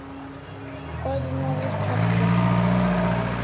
Кодын огыл черкеш.